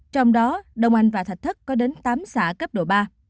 trong đó đông anh và thạch thất có đến tám xã cấp độ ba